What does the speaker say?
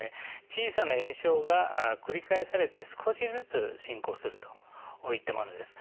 小さな炎症が繰り返されて少しずつ進行するといったものです。